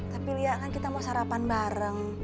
tapi lihat kan kita mau sarapan bareng